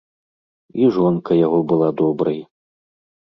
І жонка яго была добрай.